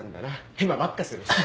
へまばっかするし。